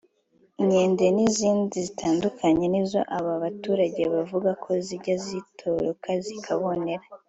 inkende n’ izindi zitandukanye nizo aba baturage bavuga ko zijya zitoroka zikabononera